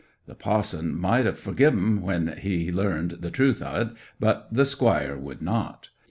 The pa'son might have forgi'ed 'em when he learned the truth o't, but the squire would not.